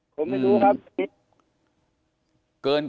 ผมไม่รู้ครับ